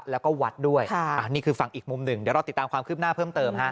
แล้วก็วัดด้วยนี่คือฝั่งอีกมุมหนึ่งเดี๋ยวเราติดตามความคืบหน้าเพิ่มเติมฮะ